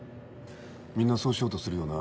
みんなそうしようとするよな。